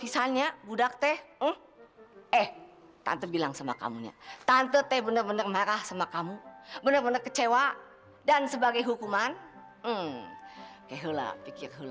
zaman sekarang perempuan kayak lu rek